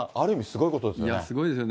いや、すごいですよね。